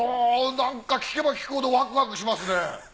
なんか聞けば聞くほどワクワクしますね。